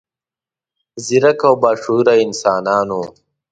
ځیرک او با شعوره انسان و.